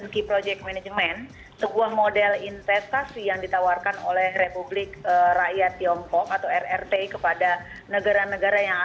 kementerian tenaga kerja asing mencapai satu ratus dua puluh enam orang